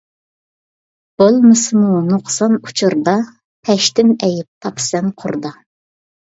بولمىسىمۇ نۇقسان ئۇچۇردا، «پەش» تىن ئەيىب تاپىسەن قۇردا.